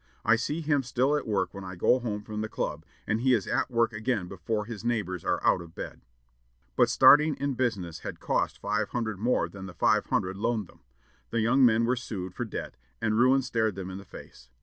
I see him still at work when I go home from the club, and he is at work again before his neighbors are out of bed." But starting in business had cost five hundred more than the five hundred loaned them. The young men were sued for debt, and ruin stared them in the face.